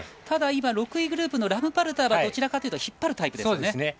ただ、６位グループのラムパルターはどちらかというと引っ張るタイプですよね。